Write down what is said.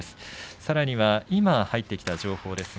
さらには今、入ってきた情報です。